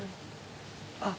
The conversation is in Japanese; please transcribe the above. あっ。